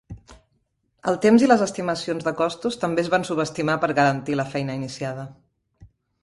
El temps i les estimacions de costos també es van subestimar per garantir la feina iniciada.